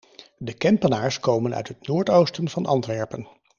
De Kempenaars komen uit het noordoosten van Antwerpen.